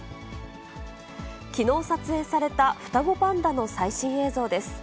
きのう撮影された、双子パンダの最新映像です。